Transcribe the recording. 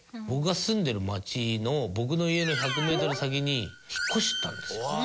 僕が住んでる街の僕の家の１００メートル先に引っ越したんですよ。